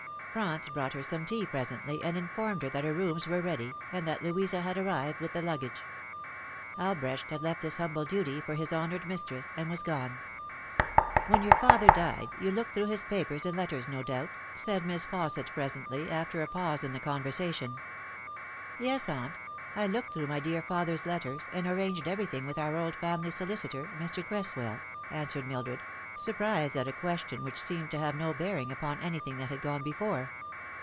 Franz brought her some tea presently, and informed her that her rooms were ready, and that Louisa had arrived with the luggage. Albrecht had left his humble duty for his honoured mistress, and was gone. " When your father died, you looked through his papers and letters, no doubt ?" said Miss Fausset presently, after a pause in the conversation. " Yes, aunt, I looked through my dear father's letters, and arranged everything with our old family solicitor, Mr. Cress well, answered Mildred, surprised at a question which seemed to have no bearing upon anything that had gone before.